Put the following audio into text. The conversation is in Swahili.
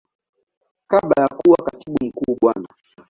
Kabla ya kuwa Katibu Mkuu Bwana.